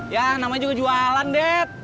ya namanya juga jualan deh